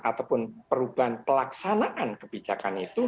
ataupun perubahan pelaksanaan kebijakan itu